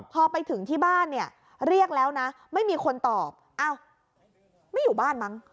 พอไปถึงที่บ้านเนี่ยเรียกแล้วนะไม่มีคนตอบอ้าวไม่อยู่บ้านมั้ง